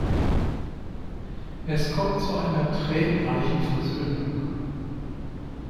Es kommt zu einer tränenreichen Versöhnung.